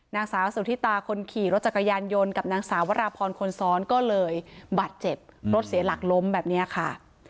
นางสาวสุธิตาคนขี่รถจักรยานยนต์กับนางสาววราพรคนซ้อนก็เลยบาดเจ็บรถเสียหลักล้มแบบนี้ค่ะ